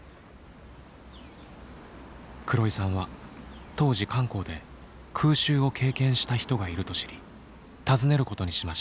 黒井さんは当時漢口で空襲を経験した人がいると知り訪ねることにしました。